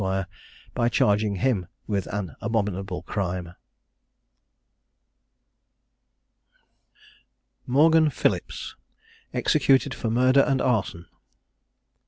by charging him with an abominable crime. MORGAN PHILLIPS. EXECUTED FOR MURDER AND ARSON.